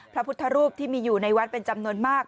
พระพุทธรูปที่มีอยู่ในวัดเป็นจำนวนมาก